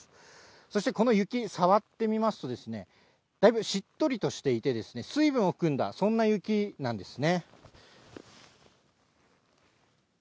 そしてこの雪、触ってみますと、だいぶしっとりとしていて、水分を含んだ、そんな雪なんですね。